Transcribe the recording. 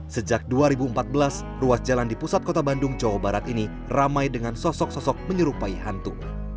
sejak dua ribu empat belas ruas jalan di pusat kota bandung jawa barat ini ramai dengan sosok sosok menyerupai hantu